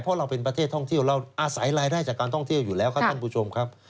เพราะเราเป็นประเทศท่องเที่ยวเราอาศัยรายได้จากการท่องเที่ยวอยู่แล้วครับท่านผู้ชมครับ